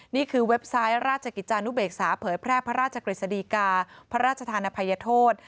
เว็บไซต์ราชกิจจานุเบกษาเผยแพร่พระราชกฤษฎีกาพระราชธานภัยโทษ